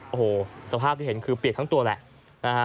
โอ้โหสภาพที่เห็นคือเปียกทั้งตัวแหละนะฮะ